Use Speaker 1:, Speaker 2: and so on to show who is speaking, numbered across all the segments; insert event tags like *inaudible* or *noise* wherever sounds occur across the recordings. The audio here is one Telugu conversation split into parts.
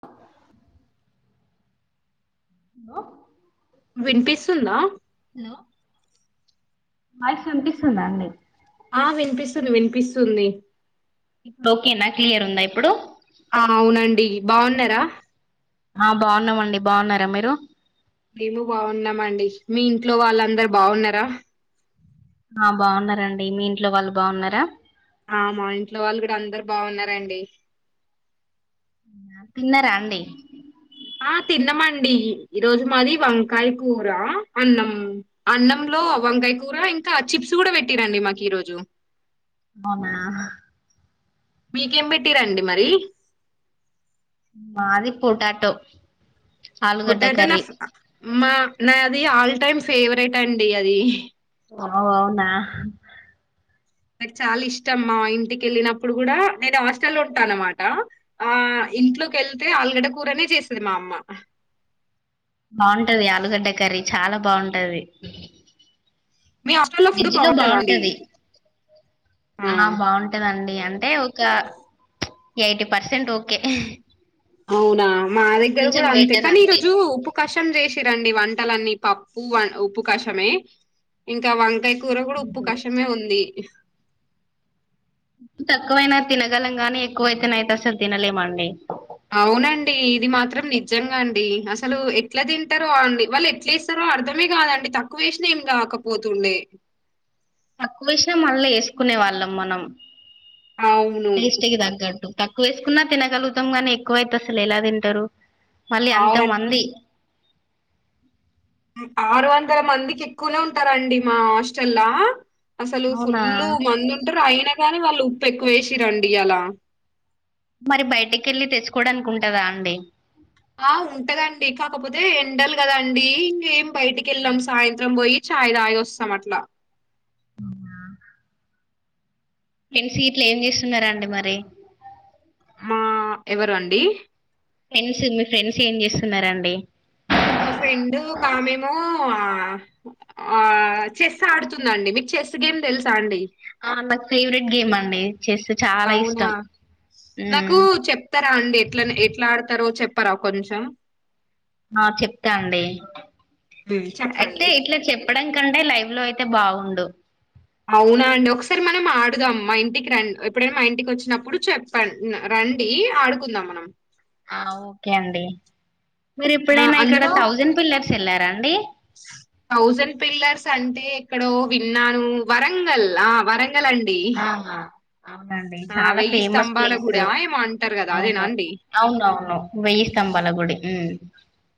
Speaker 1: ఆ హలో
Speaker 2: వినిపిస్తుందా
Speaker 1: వాయిస్ వినిపిస్తుందా అండి మీ
Speaker 2: ఆ వినిపిస్తుంది వినిపిస్తుంది.
Speaker 1: ఇప్పుడు ఓకేనా క్లియర్ ఉందా ఇప్పుడు
Speaker 2: ఆ అవునండి. బాగున్నరా
Speaker 1: ఆ బాగున్నామండి బాగున్నారా మీరు?
Speaker 2: మేమ బాగున్నామ అండి మీ ఇంట్లో వాళ్ళందరు బాగున్నారా
Speaker 1: ఆ బాగున్నారంండి మీ ఇంట్లో వాళ్ళు బాగున్నారా
Speaker 2: ఆ మా ఇంట్లో వాళ్ళు కూడా అందరు బాగున్నారంండి
Speaker 1: తిన్నారా అండి
Speaker 2: ఆ తిన్నామండి ఈరోోజు మాది వంకాయ కూర అన్నం అన్నంలో వంకాయ కూర ఇంకా చిప్స్ కూడా పెట్టిరండి మాకు ఈరోోజు
Speaker 1: అవునా
Speaker 2: మీకేం పెట్టిరండి మరి
Speaker 1: మాది పూటాటం
Speaker 2: కొటాతే నా మా నా అది ఆల్ టైమ్ ఫేవరెట్ అండి అది
Speaker 1: ఓ అవునా
Speaker 2: నాకు చాలా ఇష్టమ్మా ఇంటికి వెళ్ళినప్పుడు కూడా నేను హాస్టల్ లో ఉంటాన అనమాట ఆ ఇంట్లోకి వెళ్తే అల్ ఎక్కడ కూూరనే చేస్తుది మా అమ్మ
Speaker 1: బాగుంటది ఆలుగడ్డ కర్రీ చాలా బాగుంటది
Speaker 2: మీ హాస్టల్లో ఫుడ్
Speaker 1: విడ్జి లో
Speaker 2: బావుంటదా అండి?
Speaker 1: బాగుంటది ఆ బాగుంటదండి అంటే ఒక ఎయిటీ పర్సెంట్ ఓకే
Speaker 2: అవునా మా దగ్గర
Speaker 1: కొంచెం
Speaker 2: కూడా అంతే
Speaker 1: బెటర్
Speaker 2: కానీ ఈ రోజు ఉప్పు కష్టం చేసిరండి వంటలన్నీ పప్పు ఉప్పు కషమే ఇంకా వంకాయ కూర కూడా ఉప్పు కష్టమే ఉంది
Speaker 1: తక్కువైనా తినగలంగానే ఎక్కువైతే అయితే అ సార్ తినలేమండి
Speaker 2: అవునండి ఇది మాత్రం నిజంగా అండి అసలు ఎట్లా తింటారో అండి వాళ్ళు ఎట్లా ఇస్తారో అర్ధమే కాదండి తక్కువ వేసిన ఏం కాకపోతుండే
Speaker 1: తక్కువ వేసినా మళ్ళా వేసుకునే వాళ్ళం మనం
Speaker 2: అవును
Speaker 1: టేస్ట్గ దగ్గంంటటు తక్కువ వేసుకున్నా తినగలుగుాంనీ ఎక్కువ అైతు అసలు ఎలా తింటారు మళ్ళీ అంత
Speaker 2: అవునండి
Speaker 1: మంది
Speaker 2: ఆరు వందల మందికి ఎక్కువనే ఉంటారంండి మా హాస్టల్లా అసలు
Speaker 1: అవునా
Speaker 2: ఫుల్లు మందు ఉంటారు అయిన కాని వాళ్ళు ఉప్పు ఎక్కువేసి రండి అలా
Speaker 1: మరి బయటికి వెళ్ళి తెచ్చుకోవడానికికుంటదా అండి
Speaker 2: ఆ ఉంటదండి కాకపోతే ఎండాలి కదండి ఇంకేం బయటికి వెళ్ళాం సాయంత్రం పోయి చాయ్ తాగి వస్తాం అట్లా
Speaker 1: ఆ ఫ్రెండ్ స ఇట్లు ఏం చేస్తున్నారా అండి మరి
Speaker 2: మా ఎవరు అండి
Speaker 1: ఫ్రెండ్స్ మీ ఫ్రెండ్స్ ఏం చేస్తున్నారండి
Speaker 2: మా ఫ్రెండ్ ఒక ఆమెమో ఆ ఆ చెస్ ఆడుతుందండి మీకు చెస్ గేమ్ తెలుసా అండి
Speaker 1: ఆ నా ఫేవరెట్ గేమ్ అండి చెస్ చాలా
Speaker 2: అవునా
Speaker 1: ఇష్టం ఉమ్
Speaker 2: నాకు చెప్తారా అండి ఎట్ల ఎట్లాడతారో చెప్ తారా కొంచెం
Speaker 1: ఆ చెప్తా అండి
Speaker 2: ఉమ్,
Speaker 1: అయితే
Speaker 2: చెప్పండి
Speaker 1: ఇట్లా చెప్పడం కంటే లైవ్ లో తే బావుండు
Speaker 2: అవునా అండి ఒకసారి మనం ఆడుదాం మా ఇంటికి రన్ ఎప్పుడైనా మా ఇంటికి వచ్చినప్పుడు చెప్పన్ రండి ఆడుకుందాం మనం
Speaker 1: ఆ ఓకే అండి
Speaker 2: ఆ,
Speaker 1: మీరెప్పుడైనా ఇక్కడ
Speaker 2: అందులో
Speaker 1: థౌజండ్ పిల్లర్స్ ఎళ్ళారా అండి
Speaker 2: థౌజండ్ పిల్లర్స్ అంటే ఎక్కడో విన్నాను వరంగల్ ఆ వరంగ్ ల్ అండి
Speaker 1: ఆ అవునండి
Speaker 2: ఆ
Speaker 1: చాలా
Speaker 2: వెయ్యి
Speaker 1: ఫేమస్
Speaker 2: స్తంభాల గుడి
Speaker 1: ప్లేసు
Speaker 2: ఏమో అంటారు కదా అదేనా
Speaker 1: అవును
Speaker 2: అండి
Speaker 1: అవునవును వెయ్యి స్తంభాల గుడి ఉమ్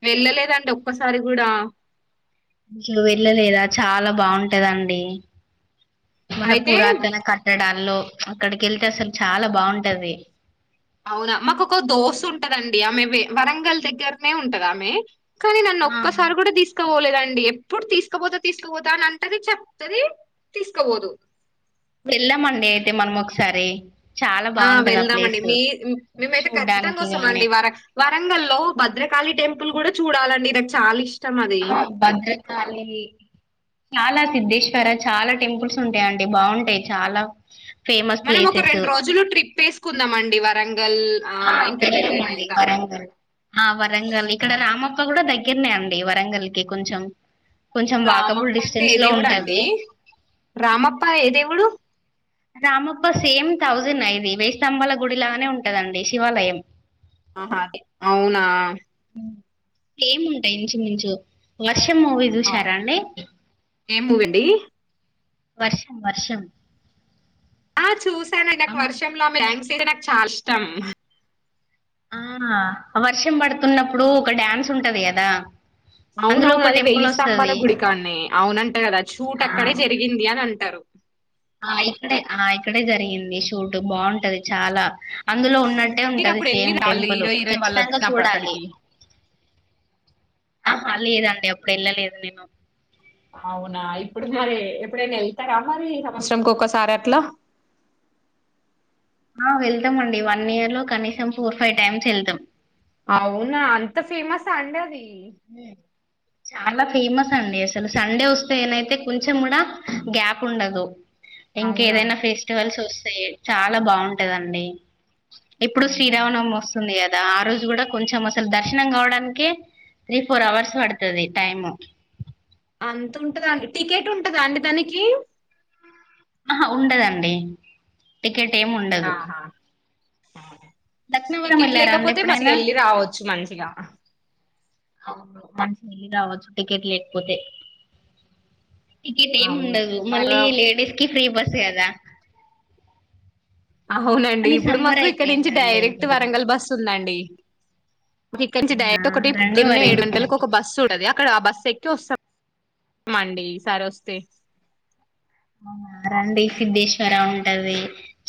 Speaker 2: వెళ్ళలేదండి ఒక్కసారి కూడా
Speaker 1: ఇట్లు వెళ్ళలేదా చాలా బావుంటదండి మన
Speaker 2: అయితే
Speaker 1: పురాతన కట్టడాల్లో అక్కడికెళ్తే అసలు చాలా బావుంటది
Speaker 2: అవునా మాకొక దోస్త్ ఉంటదండి ఆమె వె వరంగల్ దగ్గరనే ఉంటదామె కానీ నన్ను
Speaker 1: ఆ
Speaker 2: ఒక్కసారి కూడా తీస్క్ *unintelligible* పోలేదండి ఎప్పుడు తీసుకపోతా తీసుకోపోతా అని అంటది చెప్తుది తీసుకోపోదు
Speaker 1: వెళ్దామండి అయితే మనం ఒకసారి చాలా
Speaker 2: ఆ
Speaker 1: బాగుంటది
Speaker 2: వెళ్దామండి
Speaker 1: ప్లేస్
Speaker 2: మీ మేమైతే ఖచ్చితంగా
Speaker 1: చూడ్డానికి గాని
Speaker 2: వస్తామండి వర వరంగల్ లో భద్రకాళి టెంపుల్ కూడా చూడాలండి నాకు చాలిష్
Speaker 1: ఆ భద్రకాళి చాలా సిద్దేశ్వర చాలా టెంపుల్స్ ఉంటాయంటడి బావుంటాయి చాలా ఫేమస్
Speaker 2: మనం ఒక
Speaker 1: ప్లేసెస్
Speaker 2: రెండు రోజులు ట్రిప్ వేసుకుందాం అండి వరంగల్ ఆహ్, ఇంకటెటైనా ఎళ్దాం.
Speaker 1: ఆ వరంగల్ ఇక్కడ రా మప్ప కూడా దగ్గరనే అండి వరంగల్ కి కొంచెం కొంచెం వాకబుల్
Speaker 2: రామప్ప అంటే
Speaker 1: డిస్టెన్స్
Speaker 2: ఏ
Speaker 1: లో
Speaker 2: దేవుడు అండి
Speaker 1: ఉంటది
Speaker 2: రామప్ప ఏ దేవుడు
Speaker 1: రామప్ప సేమ్ థౌజండ్ ఆ ఇది వేయి స్ధంభాల గుడి లానే ఉంటదండి శివాలయం
Speaker 2: ఆహా అది అవునా
Speaker 1: మ్ ఏముంటాయి ఇంచుమించు వ ర్షం మూవీ చూశారా అండి
Speaker 2: ఏం మూవండి
Speaker 1: వర్షం వర్షం
Speaker 2: ఆ చూశాను నాకు వర్షంలో *unintelligible* తింటే నాక్ చాలా ఇష్టం.
Speaker 1: ఆ మా వర్షం పడుతున్నప్పుడు ఒక డాన్స్ ఉంటది కదా. అందులో
Speaker 2: అవునవును
Speaker 1: ఒక
Speaker 2: అది వెయ్యి
Speaker 1: టెంపుల్
Speaker 2: స్తంభాల
Speaker 1: వస్తది
Speaker 2: గుడికాడనే అవునంట గదా. షూట్ అక్కడే జరిగిందీ అని అంట్ టారు
Speaker 1: ఆ ఇక్కడే ఆ ఇక్కడే జరిగింది షూట్. బాగుంటది చాలా. అందులో ఉం న్నట్టే ఉంటది
Speaker 2: మీరప్పుడు
Speaker 1: సేమ్
Speaker 2: ఎళ్లిర్రా? వాళ్ళు
Speaker 1: టెంపులు.
Speaker 2: హీరో, హీరోయిన్
Speaker 1: ఖచ్చితంగా
Speaker 2: వాళ్ళొచ్చినప్పుడు
Speaker 1: చూడాలి.
Speaker 2: అక్కడికి?
Speaker 1: ఆహా లేదండి అప్పుడు ఎళ్ళలేదు నేను.
Speaker 2: అవునా ఇప్పుడు మరీ ఎప్పుడైనా వెళ్తరా మరీ సంవత్సరంకి ఒక్కసారి అట్లా.
Speaker 1: ఆ వెళ్తం అండి వన్ ఇయర్ లో కనీసం ఫోర్ ఫై టైమ్స్ ఎళ్తం.
Speaker 2: అవునా అంత ఫేమస్ ఆ అండీ అదీ.
Speaker 1: మీ చాలా ఫేమస్ అండి అసలు, సండే వస్తే ఏనైతే కొంచెం కూడా గ్యాప్ ఉండదు. ఇంకా
Speaker 2: అవునా
Speaker 1: ఏదైనా ఫెస్టివల్స్ వస్ చాలా బాగుంటదండీ. ఇప్పుడు శ్రీరామనవమి వస్ ఉంది గదా ఆ రోజు కూడా కొంచెం అసల్ దర్శనం కావడానికే. త్రీ ఫోర్ హవర్స్ పడ్తది టైము.
Speaker 2: అంత ఉంటదా అండి. టికెట్ ఉంటదా అండి దాననికీ.
Speaker 1: ఆహా ఉండదండి. టిక్కెట్టేం ఉండదు.
Speaker 2: ఆ
Speaker 1: లక్నవరం
Speaker 2: టికెట్
Speaker 1: వెళ్ళారా అండి
Speaker 2: లేకపోతే మంచి
Speaker 1: ఎప్పుడైనా
Speaker 2: ఎళ్ళి రావచ్చు మంచిగా.
Speaker 1: అవును మంచిగా ఎళ్ళి రావచ్చు టికెట్ లేకపోతే. టికెట్ ఏమి
Speaker 2: అవును
Speaker 1: ఉండదు. మళ్ళీ
Speaker 2: బాగా
Speaker 1: లేడీస్ కి ఫ్రీ బస్. సే అదా
Speaker 2: అవునండి. ఇప్పుడు మాకు ఇక్కడ నుంచి
Speaker 1: అయిపోయిందండి
Speaker 2: డైరెక్ట్
Speaker 1: ఇప్పుడు
Speaker 2: వరంగల్ బస్ ఉందండి. ఇక్కడ నుంచి
Speaker 1: అవునా
Speaker 2: డైరెక్ట్ ఒకటి
Speaker 1: రండి
Speaker 2: పొద్దున్నే
Speaker 1: మరి
Speaker 2: ఏడు గంటలకు ఒక బస్సు ఉంటది. అక్కడ ఆ బస్సు ఎక్కి వస్తాంమండి ఈ సారి వస్తే.
Speaker 1: అవునా రండి సిద్దేశ్వర ఆ ఉంటది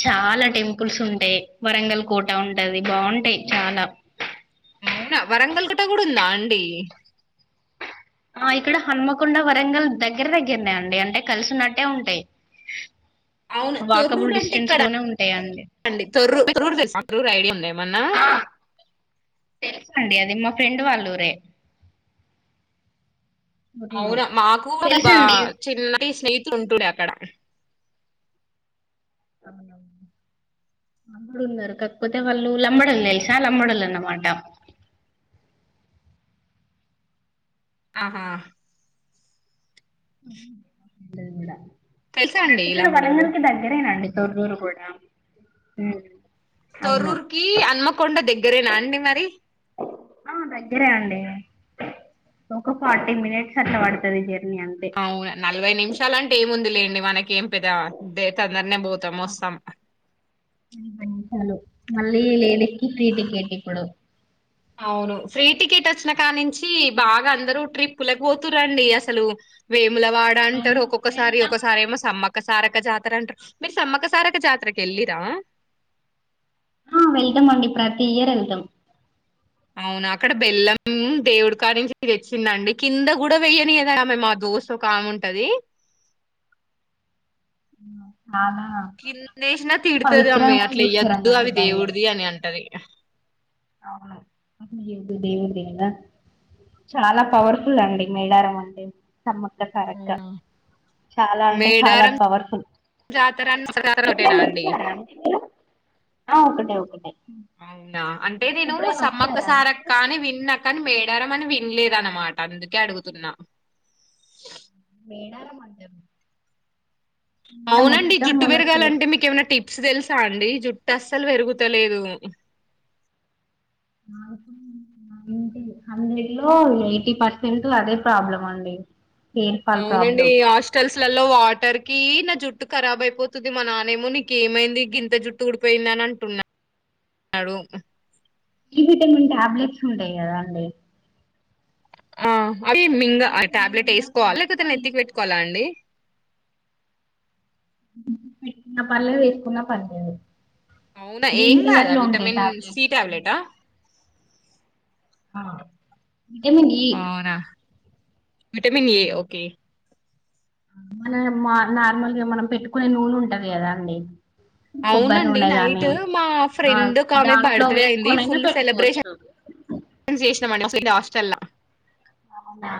Speaker 1: చాలా టెంపుల్స్ ఉంటయి. వరంగల్ కోటా ఉంటది బాగుంటయి చాలా.
Speaker 2: అవునా వరంగల్ కోట కూడా ఉందా అండి.
Speaker 1: ఆ ఇక్కడ హన్మకొండ వరంగల్ దగ్గర దగ్గరనే అండి అంటే కలిసి ఉన్నట్టే ఉంటాయి.
Speaker 2: అవును తొర్రూరు
Speaker 1: వాకబుల్
Speaker 2: అంటే
Speaker 1: డిస్టెన్స్
Speaker 2: ఎక్కడ
Speaker 1: లోనే ఉంటాయండి
Speaker 2: అండి తొర్రూర్ తొర్రూర్ తెల్సా తొర్రూరు ఐడియా ఉందా ఏ మన్నా
Speaker 1: తెలుసండి అది మా ఫ్రెండ్ వాళ్ళురే.
Speaker 2: అవునా మాకు ఒక బా చిన్నటి స్నేహి సంటూడుక్కడ
Speaker 1: అవున అంమడు ఉన్నారు కాకపోతే వాళ్ళు లమ్మడలు తెలిసా లమ్మడలు అన్నమాట
Speaker 2: ఆహా
Speaker 1: నెంగుడా
Speaker 2: తెలుసా అండి
Speaker 1: ఇక్కడ వన
Speaker 2: ఇలమ్మడోలు
Speaker 1: మూలిమలుదగ్గరేనండి దర్ దూరు కూడాడా
Speaker 2: తరూర్కిి అన్మకొండ దగ్గరేనా అండి
Speaker 1: ఆ దగ్గరే అండి ఒక ఫార్టీ మినిట్స్ అట్ట పడుతుంది జ
Speaker 2: అవును నలభై నిమిషాలంటే ఏముందిలేండి మనకి ఏం పెదా డేటా దన్నే పోతం మొస్తాం
Speaker 1: అపోయి చాలు మళ్ళీ లేడస్కిి ఫ్రీ టికెట్ ఇప్పుడు
Speaker 2: అవును ఫ్రీ టికెట్ వచ్చిన కా నుంచి బాగా అందరూ ట్రిప్లకి పోతు రండి అసలు వే ములవాడ అంటారు ఒక్కొక్కసారి ఒకసారి ఏమో సమ్మక్క సారక జాతర అంటారు మీరు సమ్మక సారక్కా జాతరకి వెళ్ళరాా
Speaker 1: ఆ వెళ్దాం అండి ప్రతి ఇయర్ వెళ్దాం
Speaker 2: అవునా అక్కడ బెల్లం దేవుడికా నుంచి తెచ్చిందండి కింద కూడా వెయ్యని కదా ఆమె మా దోస్త్ ఒకాముంటది
Speaker 1: చాలా
Speaker 2: తిన్నేసినా తిడుతది అమ్మ
Speaker 1: పవిత్రంగా
Speaker 2: అట్లా
Speaker 1: చూస్తారు
Speaker 2: ఇయ్యొద్దు
Speaker 1: అన్నట్టు
Speaker 2: అవి
Speaker 1: దాన్ని
Speaker 2: దేవుడిది అని అంటది
Speaker 1: అవును దేవుడిదే గద చాలా పవర్ఫుల్ అండి మేడారం అంటే సమ్మక్క సారక్క
Speaker 2: అవునా!
Speaker 1: చాలా అంటే చాలా
Speaker 2: మేడారం
Speaker 1: పవర్ఫుల్
Speaker 2: జాతర అన్న జాతర ఒకటేనా అండి?
Speaker 1: ఒకటే ఒకటి ఓక
Speaker 2: అవును అంటే నేను సమ్మక్క
Speaker 1: అండి
Speaker 2: సారక్క
Speaker 1: మీరు
Speaker 2: నఅనీ విన్నా కానీ మే గర అని వినలేద అనమాట అందుకే అడుగుతున్నా
Speaker 1: ఏడార మాంటారు
Speaker 2: అవునండి జుట్టు
Speaker 1: స్టేట్
Speaker 2: పెరగాలంటే మీక ఏమైనా టిప్స్ తెలుసు సా అండి జుట్టు అస్సలు పెరుగుతలేదు
Speaker 1: నై హండ్రెడ్ లో ఎయిటీ పర్సెంట్ అదే ప్రాబ్లం అండి హెయిర్ ఫాల్
Speaker 2: అవునండి
Speaker 1: ప్రాబ్లం
Speaker 2: హాస్టల్స్ లలో వాటర్ కీ నా జుట్టు ఖరాబ్ అయిపోతుంది మా నానేమో నీక ఏమైంది గింత జుట్టు ఊడిపోయింద అని అంటున్నా న్నాడు
Speaker 1: డి విటమిన్ టాబ్లెట్స్ ఉంటాయి కదా అండి
Speaker 2: ఆ అ మింగ ఆ
Speaker 1: విటమిన్ ఈ
Speaker 2: టాబ్లెట్
Speaker 1: ఉన్న ఫుడ్
Speaker 2: వేసుకోవాలి లేకపోతే
Speaker 1: ఎక్కువ
Speaker 2: నెత్తికి
Speaker 1: తీసుకోవాలి
Speaker 2: పెట్టుకోవాలా అండి
Speaker 1: పెట్టుకున్న పర్లేదు వేసుకున్న పర్లేదు
Speaker 2: అవునా ఏం
Speaker 1: గ్రీన్ కలర్
Speaker 2: కాదా
Speaker 1: లో ఉంటాయి
Speaker 2: విటమిన్ సి
Speaker 1: టాబ్లెట్స్
Speaker 2: టాబ్లెట్
Speaker 1: హ
Speaker 2: పవునా విటమిన్ ఏ ఓకే
Speaker 1: మన మా నార్మల్గా మనం పెట్టుకునే నూనే ఉంటది కదా అండి కొబ్బరి
Speaker 2: అవునండి
Speaker 1: నూనె
Speaker 2: నైట్
Speaker 1: గాని
Speaker 2: మా
Speaker 1: ఆ
Speaker 2: ఫ్రెండ్ ఆమె
Speaker 1: దాంట్లో
Speaker 2: బర్త్డే అయింది
Speaker 1: వేసుకొనైనా
Speaker 2: ఫుల్ సెలబ్రేషన్
Speaker 1: పెట్టుకోవచ్చు
Speaker 2: అసలకి హస్టెల్లా
Speaker 1: అవునా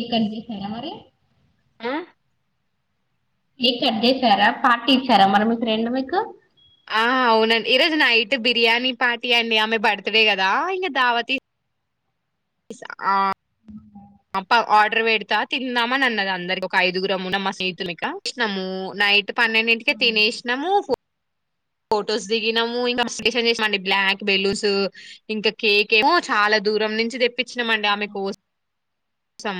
Speaker 1: ఇక్కండి ఎ మరి
Speaker 2: ఆ
Speaker 1: కేక్ కట్ చేసారా పార్టీ ఇచ్చారా మరి మీఫ్రెండ్ మీకు
Speaker 2: ఆ అవునండి ఈరోజు నైట్ బిర్యానీ పార్టీ అండి ఆమె బర్త్డే కదా ఇంకా దావత ఇ ఆ ఆర్డర్ పెడతా తిందామని అన్నది అందరి ఒక ఐదుగురుమ్మున్నా మా స్నేహితునిక ఇచ్చినాము నైట్ పన్నెండింటిక తినేసినాము ఫొటోస్ దిగినాము ఇంకా చేమండి బ్లాక్ బెలూస్ ఇంకా కేక్ ఏమో చాలా దూరం నుంచి తెప్పించినామ అండి ఆమె కో కోసం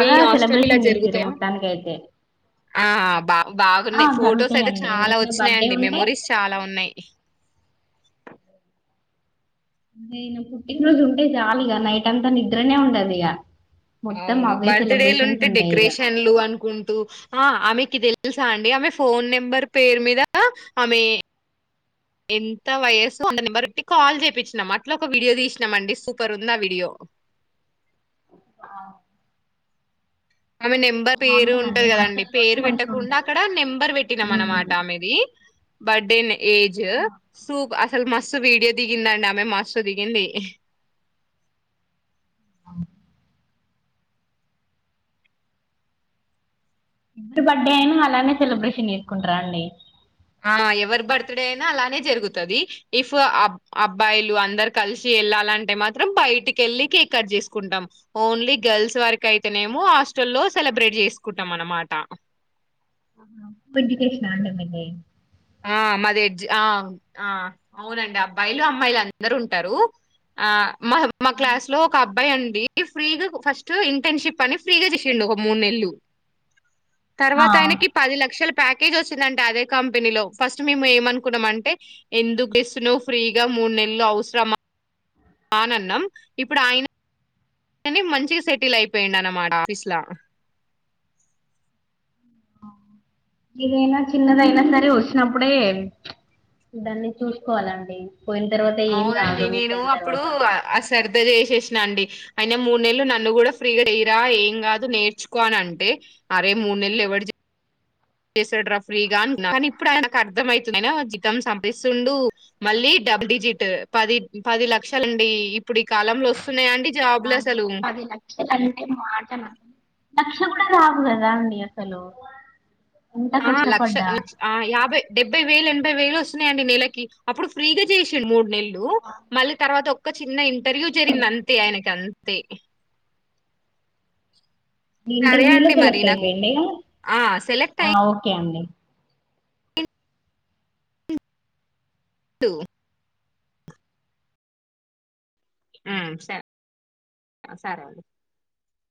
Speaker 2: మీ హాస్టల్
Speaker 1: సెలబ్రేషన్ చేసిరు మొత్తానికి అయితే
Speaker 2: ఆహా బా
Speaker 1: ఆ
Speaker 2: బాగున్నాయి ఫొటోస్ అయితే
Speaker 1: జరుగుతాయండి
Speaker 2: చాలా
Speaker 1: ఎవరిదైనా బర్త్డే
Speaker 2: వచ్చినాయిండి
Speaker 1: ఉంటే
Speaker 2: మెమోరీస్ చాలా ఉన్నాయి
Speaker 1: అదేన పుట్టినరోజు ఉంటే చాలగా నైట్ అంతా నిద్రనే ఉండదు ఇక
Speaker 2: అవును బర్త్డేలు ఉంటే
Speaker 1: ఇగ
Speaker 2: డెకరేషన్లు అనుకుంటూ ఆ ఆమెకి తెలి తెలుసా అండి ఆమె ఫోన్ నెంబర్ పేరు మీద ఆమె ఎంత వయస్సు అ నెంబర్టి కాల్ చేయిచ్చినాం అట్లా ఒక వీడియో తీసినాం అండి సూపర్ ఉండి ఆ వీడియో
Speaker 1: ఆ
Speaker 2: ఆమె నెంబర్ పేరు
Speaker 1: బాగుంటదండి
Speaker 2: ఉంటది కదండి
Speaker 1: హాస్టల్లోనే
Speaker 2: పేరు
Speaker 1: మంచిగా
Speaker 2: పెట్టకుండా
Speaker 1: ఉంటది
Speaker 2: అక్కడ నెంబర్ పెట్టినాం
Speaker 1: ఉమ్
Speaker 2: అనమాట
Speaker 1: ఎవరి
Speaker 2: ఆమెది బడ్డేనే ఏజ సూప్ అసలు మ మసు వీడియో దిగిందండి ఆమె మస్ దిగింది
Speaker 1: అ ఇఫ బర్త్డే అయిన అలానే సెలబ్రేషన్ చేసుకుంటార అండి
Speaker 2: ఆ ఎవరి బర్త్డే అయినా అలానే జరుగుతుంది ఇఫ్ అబ్బాయిలు అందరు కలిసి వెళ్ళాలంటే మాత్రం బయటికి వెళ్ళి కేక్ కట్ చేసుకుంటాం ఓన్లీ గర్ల్స్ వరకు అయితేనేమో హాస్టల్లో సెలబ్రేట్ చేసుకుంటాం అనమాట
Speaker 1: ఇడికేష్ ఆ మీది
Speaker 2: ఆ మాది ఎడ్జ అవునండి అబ్బాయిలు అమ్మాయిలు అందరు ఉంటారు ఆ మా మా క్లాస్ లో ఒక అబ్బాయి అండి ఫ్రీగా ఫస్ట్ ఇంటర్న్షిప్ అని ఫ్రీగా చేసడి ఒక మూడు నెల్లు
Speaker 1: ఆ
Speaker 2: తర్వాత ఆయనకి పది లక్షలు ప్యాకేజ్ వచ్చిందంటడి అదే కంపెనీలో ఫస్ట్ మేము ఏమనుకున్నాం అంటే ఎందుకు ఇస్తున్నావ్ ఫ్రీగా మూడు నెలలు అవసరమా ఆనన్నం ఇప్పుడు ఆయన కానీ మంచిగా సెటిల్ అయిపోయిడు అన్నమాట ఆఫీస్లా
Speaker 1: ఇదైనా చిన్నదయినా సరే వచ్చినప్పుడే దాన్ని చూసుకోవాలండి పోయిన తర్వాత ఏం
Speaker 2: అవునండి
Speaker 1: రాదు మిస్
Speaker 2: నేను
Speaker 1: అయిన
Speaker 2: అప్పుడు
Speaker 1: తర్వాత
Speaker 2: అ శ్రధ చేసేసి అండి అయినా మూడు నెలలు నన్ను కూడా ఫ్రీగా ఏయిరా ఏం కాదు నేర్చుకో అని అంటే, అరే మూడు నెలలు ఎవరి చేసాడు రా ఫ్రీగా అనుకున్నా కానీ ఇప్పుడు ఆకు అర్థం అవుతుంది జితం సంపిస్తుండు మళ్ళీ డబుల్ డిజిట్ పది పది లక్షాల అండి ఇప్పుడు ఈ కాలంలో వస్తు
Speaker 1: బమ పది లక్షల అంటే మాటలు క్ష కూడా రాగు కదా అండి అసలు ఎంత
Speaker 2: ఆ లక్ష
Speaker 1: కష్టపడ్డా
Speaker 2: యాభై డెబ్బై వేలు ఎనభై వేలు వస్త న్నాయండి నెలకి అప్పుడు ఫ్రీగా చేసండు మూడు నెలలు మళ్ళీ తర్వాత ఓ చిన్న ఇంటర్వ్యూ జరిగిందంటే ఆయనకి అంత్ తే సరే
Speaker 1: ఇంటర్వ్యూ లో
Speaker 2: అండి మరి
Speaker 1: సెలెక్ట్
Speaker 2: నాకు
Speaker 1: అయిపోయిడి
Speaker 2: ఆ సెలెక్ట్
Speaker 1: ఓకే అండి
Speaker 2: టు సరే సరే అండి